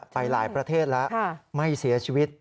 ไปหลายประเทศแล้วไม่เสียชีวิต